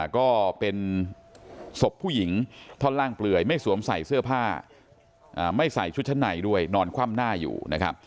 ก็เป็นศพผู้หญิงท่อนล่างเปลือยไม่สวมใส่เสื้อผ้าไม่ใส่ชุดชั้นในด้วยนอนคว่ำหน้าอยู่นะครับ